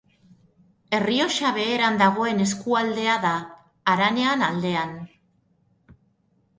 Errioxa Beherean dagoen eskualdea da, haranaren aldean.